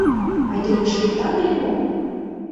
Айдемыш лектам ыле мо?